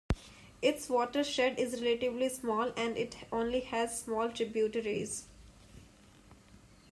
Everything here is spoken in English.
Its watershed is relatively small, and it only has small tributaries.